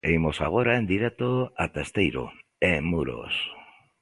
E imos agora en directo ata Esteiro, en Muros.